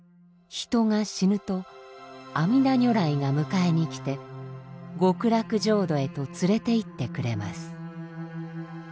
人が死ぬと阿弥陀如来が迎えに来て極楽浄土へと連れていってくれます。